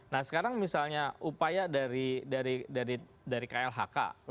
nah sekarang misalnya upaya dari klhk